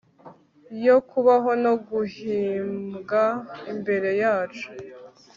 yo kubaho no guhimbwa imbere yacu